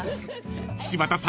［柴田さん